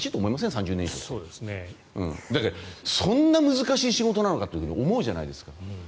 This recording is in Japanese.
３０年以上そんな難しい仕事なのかと思うじゃないですか。